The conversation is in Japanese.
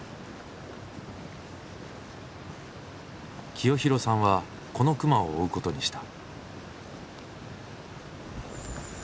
清弘さんはこの熊を追うことにした。